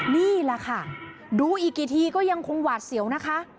นี่แหละค่ะดูอีกกี่ทีก็ยังคงหวาดเสียวนะคะ